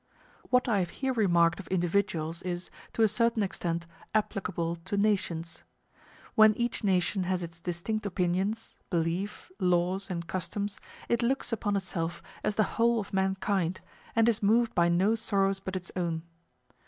What I have here remarked of individuals is, to a certain extent, applicable to nations. When each nation has its distinct opinions, belief, laws, and customs, it looks upon itself as the whole of mankind, and is moved by no sorrows but its own.